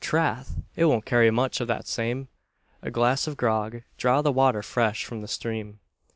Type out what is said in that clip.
Trath! it won't carry much av that same." "A glass of grog draw the water fresh from the stream."